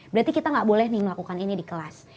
berarti kita nggak boleh nih melakukan ini di kelas